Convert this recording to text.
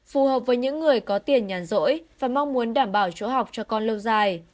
phù hợp với những người có tiền nhàn rỗi và mong muốn đảm bảo chỗ học cho con lâu dài